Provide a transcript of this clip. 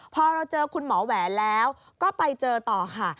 พอเราเจอคุณหมอแหวนแล้วก็ไปเจอต่อค่ะ